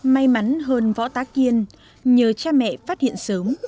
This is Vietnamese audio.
may mắn hơn võ tá kiên nhờ cha mẹ phát hiện sớm